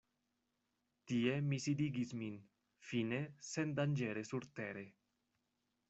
Tie mi sidigis min, fine sendanĝere surtere.